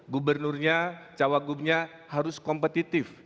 gubernurnya cawagumnya harus kompetitif